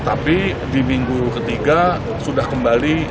tapi di minggu ketiga sudah kembali